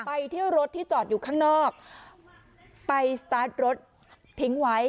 ที่รถที่จอดอยู่ข้างนอกไปสตาร์ทรถทิ้งไว้